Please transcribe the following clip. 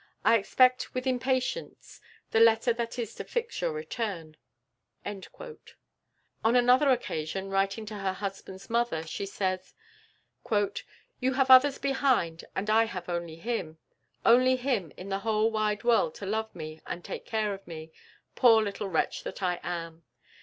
I expect, with impatience, the letter that is to fix your return." On another occasion, writing to her husband's mother, she says: "You have others behind and I have only him only him in the whole wide world to love me and take care of me poor little wretch that I am.